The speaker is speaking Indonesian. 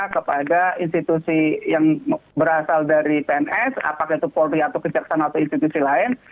kepada institusi yang berasal dari pns apakah itu polri atau kejaksaan atau institusi lain